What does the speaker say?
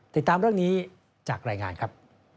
ติดตามเรื่องนี้จากรายงานครับ